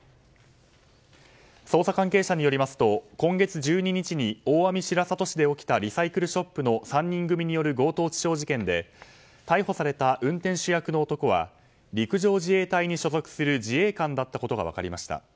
捜査関係者によりますと今月１２日に大網白里市で起きたリサイクルショップの３人組による強盗致傷事件で逮捕された運転手役の男は陸上自衛隊に所属する自衛官だったことが分かりました。